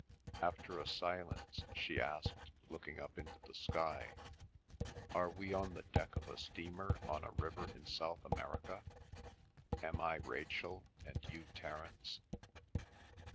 After a silence she asked, looking up into the sky, "Are we on the deck of a steamer on a river in South America? Am I Rachel, are you Terence?"